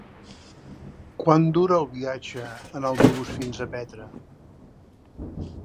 Quant dura el viatge en autobús fins a Petra?